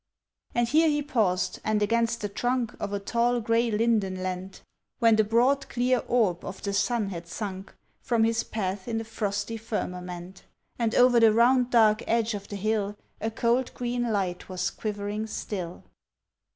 And here he paused, and against the trunk Of a tall gray linden leant, When the broad clear orb of the sun had sunk From his path in the frosty firmament, And over the round dark edge of the hill A cold green light was quivering still.